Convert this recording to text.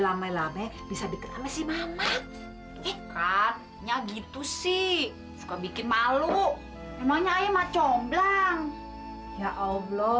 lamai lamai bisa dikeramai si mamat itu sih suka bikin malu emangnya emang comblang ya oblo